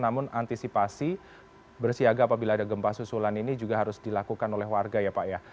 namun antisipasi bersiaga apabila ada gempa susulan ini juga harus dilakukan oleh warga ya pak ya